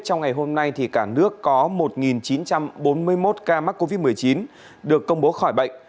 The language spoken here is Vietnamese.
trong ngày hôm nay cả nước có một chín trăm bốn mươi một ca mắc covid một mươi chín được công bố khỏi bệnh